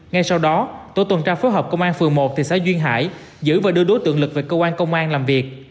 ngay sau đó tổ tuần tra phối hợp công an phường một thị xã duyên hải giữ và đưa đối tượng lực về cơ quan công an làm việc